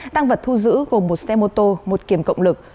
tăng vật thu giữ gồm một xe mô tô một kiềm cộng lực